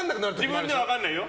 自分で分かんないよ。